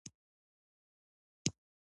همکاري د باور او ګډ هدف اړتیا ده.